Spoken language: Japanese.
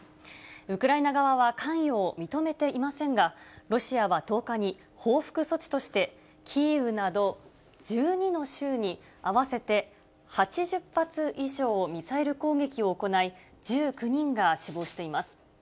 ウクライナ側は関与を認めていませんが、ロシアは１０日に報復措置として、キーウなど１２の州に合わせて８０発以上のミサイル攻撃を行い、１９人が死亡しています。